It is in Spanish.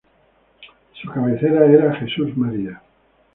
Su cabecera era Jesús María.